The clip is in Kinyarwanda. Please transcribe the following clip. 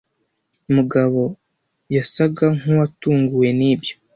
Mugabo yasaga nkuwatunguwe nibyo